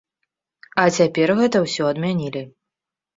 А цяпер гэта ўсё адмянілі.